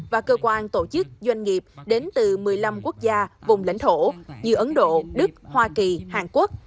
và cơ quan tổ chức doanh nghiệp đến từ một mươi năm quốc gia vùng lãnh thổ như ấn độ đức hoa kỳ hàn quốc